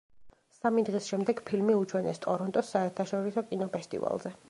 სამი დღის შემდეგ ფილმი უჩვენეს ტორონტოს საერთაშორისო კინოფესტივალზე.